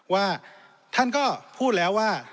ว่าท่านก็พูดแล้วว่า